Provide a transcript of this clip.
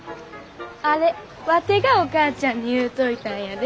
あれワテがお母ちゃんに言うといたんやで。